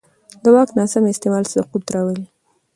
د واک ناسم استعمال سقوط راولي